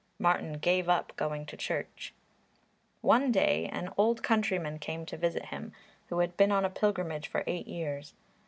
Martin gave up going to church. One day an old countryman came to visit him, who had been on a pilgrimage for eight years.